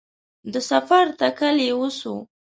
د سفر تکل یې وسو